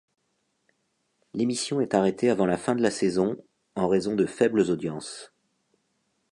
L'émission est arrêtée avant la fin de la saison en raison de faibles audiences.